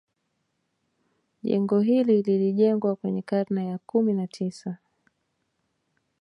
Jengo hili lilijengwa kwenye karne ya kumi na tisa